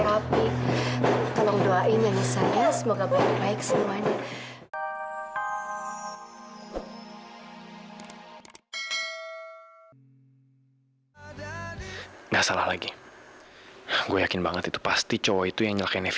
aku masih ingat wajahnya